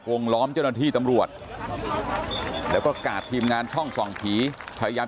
ล้อมเจ้าหน้าที่ตำรวจแล้วก็กาดทีมงานช่องส่องผีพยายาม